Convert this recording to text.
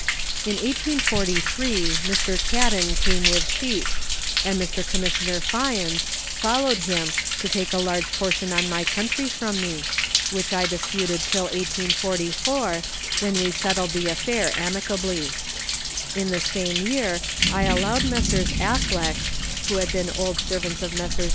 In 1843 Mr. Cadden came with sheep, andMr. Commissioner Fyans allowed him to take a large portion of my country from me, which I disputed till 1844, when we settled the affair amicably. In the same year I allowed Messrs. Affleck, who had been old servants of Messrs.